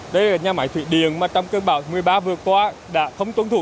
đây là nhà máy thủy điện mà trong cơn bão một mươi ba vừa qua đã không tuân thủ